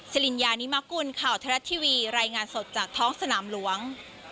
ลินยานิมกุลข่าวไทยรัฐทีวีรายงานสดจากท้องสนามหลวง